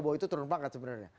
bahwa itu turun pangkat sebenarnya